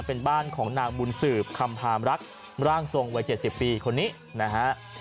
เป็นบ้านของนางบุญสืบคำพามรักร่างทรงวัย๗๐ปีคนนี้นะฮะ